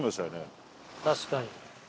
確かに。